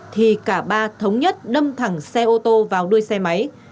thì cả ba thống nhất đâm thẳng xe ô tô vào đuôi xe máy